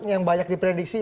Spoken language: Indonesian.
yang banyak diprediksi